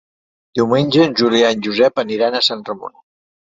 Diumenge en Julià i en Josep aniran a Sant Ramon.